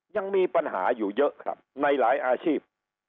ยังมีปัญหาอยู่เยอะครับในหลายอาชีพ